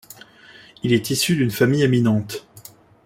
Il est issu d'une famille éminente.